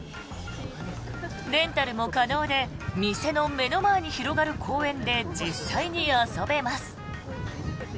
レンタルも可能で店の目の前に広がる公園で実際に遊べます。